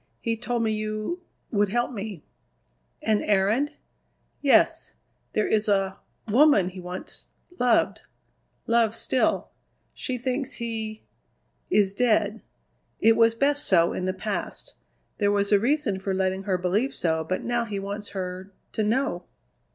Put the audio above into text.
He told me you would help me." "An errand?" "Yes. There is a woman he once loved; loves still. She thinks he is dead. It was best so in the past. There was a reason for letting her believe so; but now he wants her to know!"